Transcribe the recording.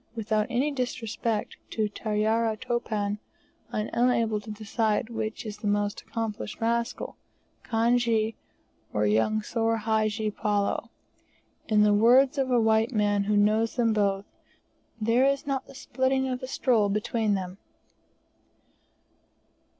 Without any disrespect to Tarya Topan, I am unable to decide which is the most accomplished rascal, Kanjee, or young Soor Hadji Palloo; in the words of a white man who knows them both, "there is not the splitting of a straw between them."